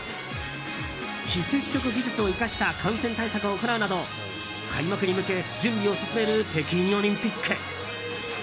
非接触技術を生かした感染対策を行うなど開幕に向け準備を進める北京オリンピック。